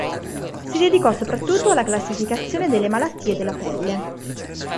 Si dedicò soprattutto alla classificazione delle malattie della pelle.